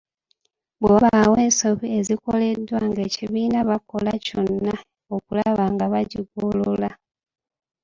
Bwe wabaawo ensobi ezikoleddwa ng’ekibiina bakola kyonna okulaba nga bagigolola.